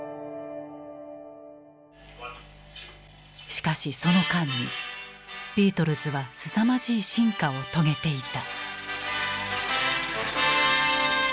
しかしその間にビートルズはすさまじい進化を遂げていた。